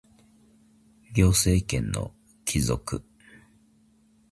行政権の帰属